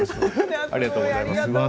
ありがとうございます。